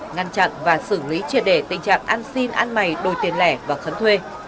ngăn chặn và xử lý triệt đề tình trạng ăn xin ăn mày đổi tiền lẻ và khấn thuê